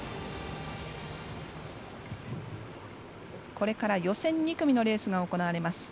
これから予選２組のレースが行われます。